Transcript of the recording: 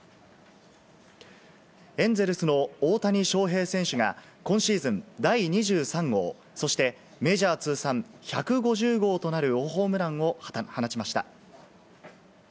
エンゼルスの大谷翔平選手が今シーズン第２３号、そしてメジャー通算１５０号となるホームランを放ちました。